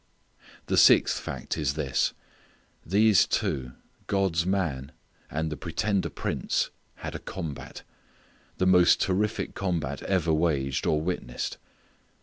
The sixth fact is this: These two, God's Man, and the pretender prince, had a combat: the most terrific combat ever waged or witnessed.